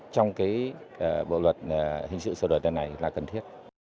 bộ luật hình sự sửa đổi thế này là cần thiết